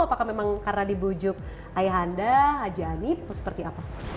apakah memang karena dibujuk ayahanda haji anief atau seperti apa